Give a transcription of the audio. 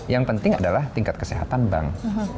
yang penting adalah tingkat kesehatan bank